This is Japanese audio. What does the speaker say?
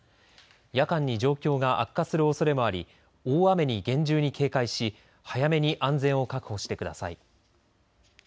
夜間に状況が悪化するおそれもあり大雨に厳重に警戒し早めに安全を確保してください。